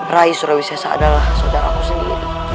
raden surawi sesa adalah saudara aku sendiri